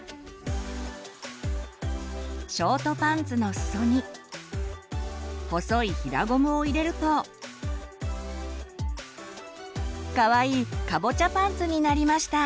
ショートパンツのすそに細い平ゴムを入れるとかわいいカボチャパンツになりました！